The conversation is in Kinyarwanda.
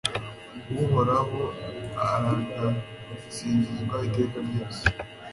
uhoraho aragasingizwa iteka ryose